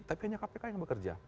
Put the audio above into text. tapi hanya kpk yang bekerja